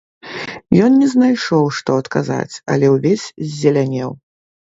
Ён не знайшоў, што адказаць, але ўвесь ззелянеў.